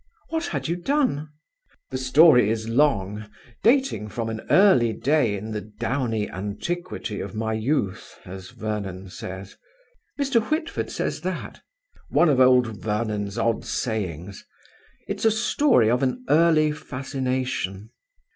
"What had you done?" "The story is long, dating from an early day, in the 'downy antiquity of my youth', as Vernon says." "Mr. Whitford says that?" "One of old Vernon's odd sayings. It's a story of an early fascination."